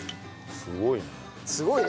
すごいね。